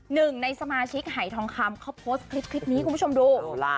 หนึ่งในสมาชิกหายทองคำเขาโพสต์คลิปนี้คุณผู้ชมดู